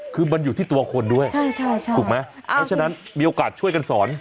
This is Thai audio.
คือมันอยู่ที่ตัวคนด้วยถูกไหมเพราะฉะนั้นมีโอกาสช่วยกันสอน